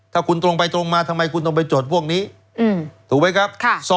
ถ้าคุณตรงไปตรงมาทำไมคุณต้องไปจดพวกนี้ถูกไหมครับ